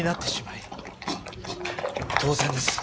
当然です。